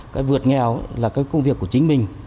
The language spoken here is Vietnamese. cái vượt nghèo là cái công việc của chính mình